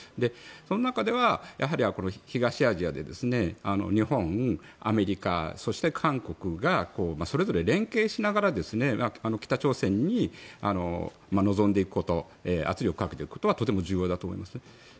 その中ではやはり東アジアで日本、アメリカ、そして韓国がそれぞれ連携しながら北朝鮮に臨んでいくこと圧力をかけていくことはとても重要だと思いますね。